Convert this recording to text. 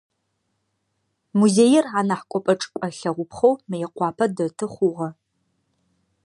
Музеир анахь кӏопӏэ-чӏыпӏэ лъэгъупхъэу Мыекъуапэ дэты хъугъэ.